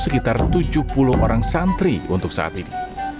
sekitar tujuh puluh orang santri untuk saat ini